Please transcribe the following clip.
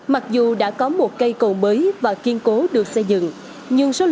mặc dù đã có một cây cầu mới và kiên cố được xây dựng